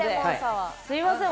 すみません